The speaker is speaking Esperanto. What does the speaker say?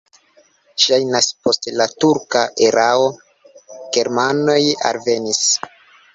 Ŝajnas, post la turka erao germanoj alvenis.